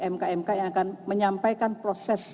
mk mk yang akan menyampaikan proses